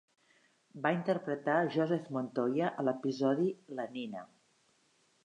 Va interpretar Joseph Montoya a l'episodi "La Nina".